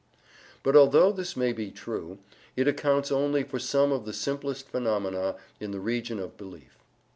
But although this may be true, it accounts only for some of the simplest phenomena in the region of belief.